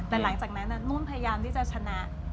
แต่หลังจากนั้นนุ่นพยายามที่จะชนะ